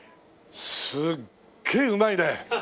すっげえうまいね。